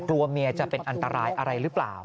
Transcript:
กลัวเมียจะเป็นอันตรายอะไรหรือเปล่า